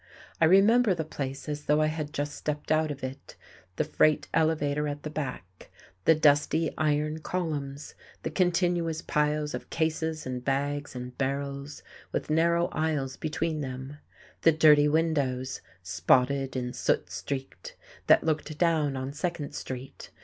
I remember the place as though I had just stepped out of it, the freight elevator at the back, the dusty, iron columns, the continuous piles of cases and bags and barrels with narrow aisles between them; the dirty windows, spotted and soot streaked, that looked down on Second Street.